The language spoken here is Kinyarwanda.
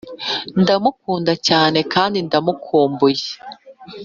ndamukunda cyane kandi ndamukumbuye